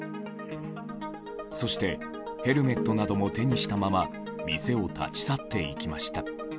そしてヘルメットなども手にしたまま店を立ち去っていきました。